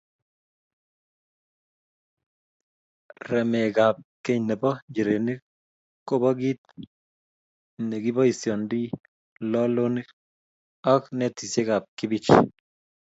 Remakab keny nebo nchirenik kobo kiit neboisyindoi lolonik, ak netisiekab kibich.